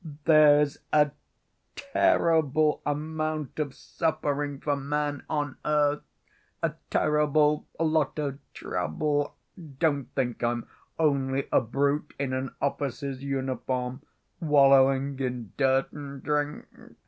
There's a terrible amount of suffering for man on earth, a terrible lot of trouble. Don't think I'm only a brute in an officer's uniform, wallowing in dirt and drink.